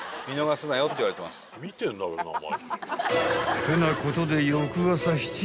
［ってなことで］